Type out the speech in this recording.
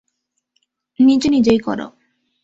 নিজে নিজেই কর।